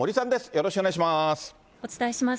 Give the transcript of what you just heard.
よろしくお願いします。